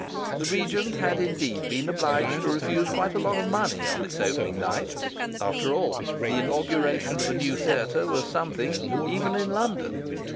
The Regent had indeed been obliged to refuse quite a lot of money on its opening night. After all, the inauguration of a new theatre was something, even in London!